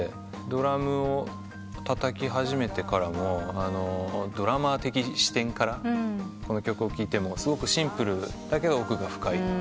ドラムをたたき始めてからドラマー的視点からこの曲を聴いてもすごくシンプルだけど奥が深い。